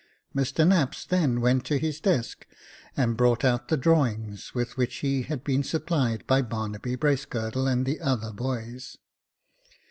Mr Knapps then went to his desk, and brought out the drawings with which he had been supplied by Barnaby Bracegirdle and the other boys.